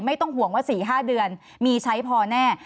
ไม่ต้องห่วงว่า๔๕เดือนมีใช้พอแน่